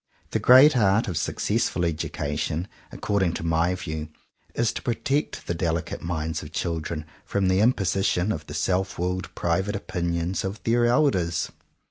The great art of successful education according to my view is to protect the delicate minds of children from the imposition of the self willed private opinions of their elders.